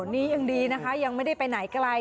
นี้ยังดีนะคะยังไม่ได้ไปไหนไกล